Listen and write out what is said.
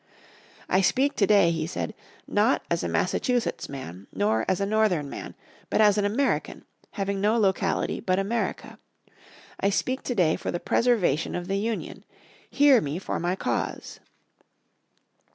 "I speak today," he said, "not as a Massachusetts man, nor as a Northern man, but as an American, having no locality but America. I speak today for the preservation of the Union. Hear me for my cause."